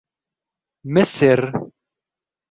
ما السر ؟